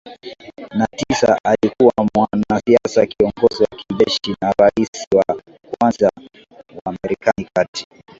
na tisa alikuwa mwanasiasa kiongozi wa kijeshi na rais wa kwanza wa Marekani kati